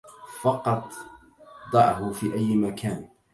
فقط ضعه في أي مكان.